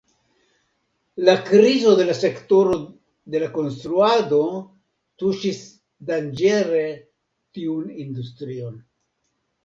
La krizo de la sektoro de la konstruado tuŝis danĝere tiun industrion.